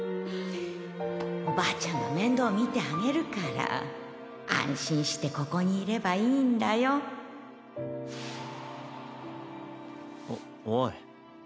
おばあちゃんが面倒見てあげるから安心してここにいればいいんだよおおい。